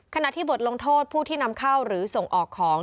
ขณะที่บทลงโทษผู้ที่นำเข้าหรือส่งออกของ